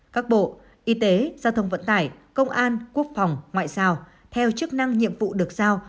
các bộ y tế giao thông vận tải công an quốc phòng ngoại giao theo chức năng nhiệm vụ được giao